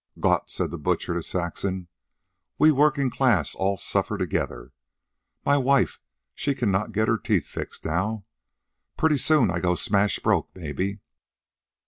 "Gott!" said the butcher to Saxon. "We working class all suffer together. My wife she cannot get her teeth fixed now. Pretty soon I go smash broke maybe."